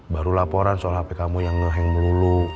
baru laporan soal hp kamu yang ngeheng melulu